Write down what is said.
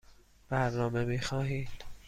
برنامه می خواهید؟